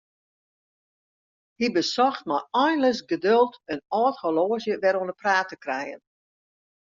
Hy besocht mei einleas geduld in âld horloazje wer oan 'e praat te krijen.